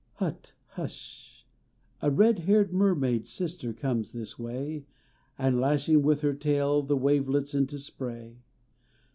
Hut hush! A red haired mermaid sister comes this way And lashing with her tail the wavelets into spray.